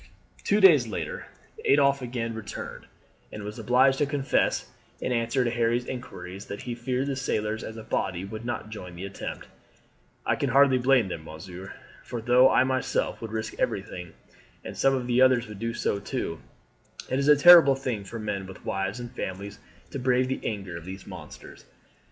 Two days later Adolphe again returned, and was obliged to confess in answer to Harry's inquiries that he feared the sailors as a body would not join in the attempt. "I can hardly blame them, monsieur. For though I myself would risk everything, and some of the others would do so too, it is a terrible thing for men with wives and families to brave the anger of these monsters.